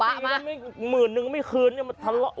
อ้าว๒ปีแล้วไม่เหมือนหนึ่งไม่คืนมันธรรมบ้ามา